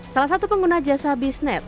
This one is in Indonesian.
salah satu pengguna jasa bisnet